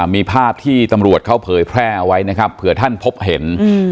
มีภาพที่ตำรวจเขาเผยแพร่เอาไว้นะครับเผื่อท่านพบเห็น